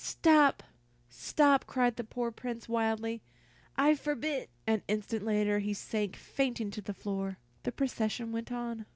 "Stop! Stop!" cried the poor Prince, wildly; "I forbid " An instant later he sank fainting to the floor. The procession went on.